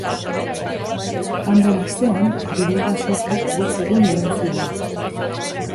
Joan den astean, bilera-sortak bost egun iraun zuen.